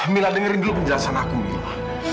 mila dengerin dulu penjelasan aku mila